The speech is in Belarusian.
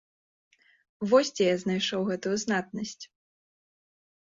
Вось дзе я знайшоў гэтую знатнасць.